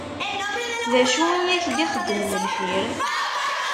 Dacu i ak-d-ixeddmen lḥir?